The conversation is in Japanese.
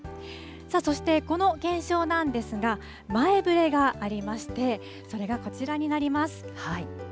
そして、この現象なんですが、前触れがありまして、それがこちらになります。